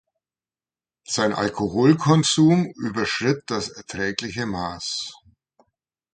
Sein Alkohol-Konsum überschritt das erträgliche Maß.